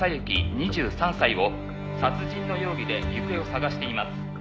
２３歳を殺人の容疑で行方を捜しています」